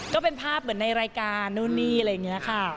ก็เป็นภาพเหมือนในรายการนู่นนี่อะไรอย่างนี้ค่ะ